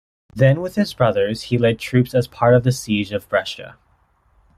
Then with his brothers, he led troops as part of the siege of Brescia.